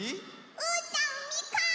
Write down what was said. うーたんみかん！